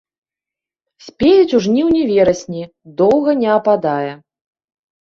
Спеюць у жніўні-верасні, доўга не ападае.